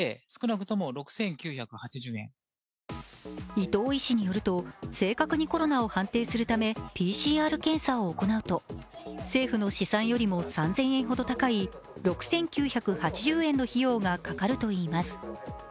伊藤医師によると正確にコロナを判定するためＰＣＲ検査を行うと、政府の試算よりも３０００円ほど高い６９８０円の費用がかかるといいます。